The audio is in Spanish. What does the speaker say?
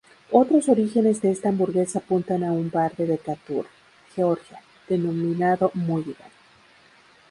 Otros orígenes de esta hamburguesa apuntan a un bar de Decatur, Georgia denominado Mulligan.